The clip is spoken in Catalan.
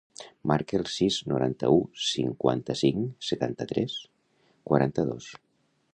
Marca el sis, noranta-u, cinquanta-cinc, setanta-tres, quaranta-dos.